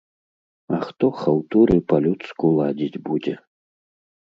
А хто хаўтуры па-людску ладзіць будзе?